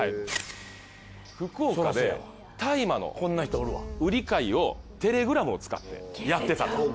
福岡で大麻の売り買いをテレグラムを使ってやってたと。